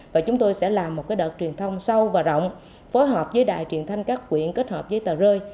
và chúng tôi sẽ làm một cái đợt truyền thông sâu và rộng phối hợp với đài truyền thanh các quyền kết hợp với tà rơi